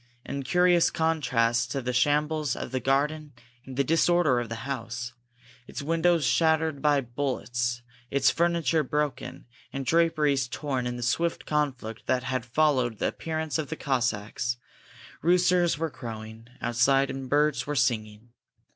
In curious contrast to the shambles of the garden and the disorder of the house, its windows shattered by bullets, its furniture broken and draperies torn in the swift conflict that had followed the appearance of the Cossacks, roosters were crowing outside and birds were singing.